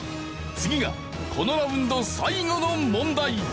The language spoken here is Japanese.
次がこのラウンド最後の問題。